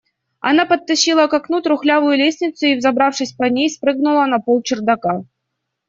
Она подтащила к окну трухлявую лестницу и, взобравшись по ней, спрыгнула на пол чердака.